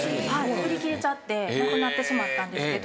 売り切れちゃってなくなってしまったんですけど。